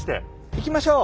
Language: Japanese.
行きましょう！